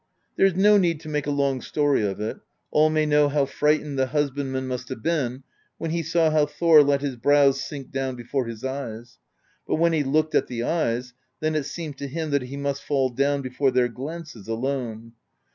There is no need to make a long story of it; all may know how frightened the husbandman must have been when he saw how Thor let his brows sink down before his eyes; but when he looked at the eyes, then it seemed to him that he must fall down before their glances alone.